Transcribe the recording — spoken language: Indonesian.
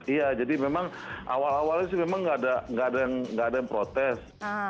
iya jadi memang awal awalnya sih memang nggak ada yang protes